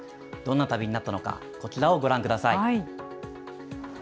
どんな旅になったのか、こちらをご覧ください。